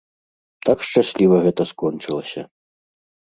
Так шчасліва гэта скончылася.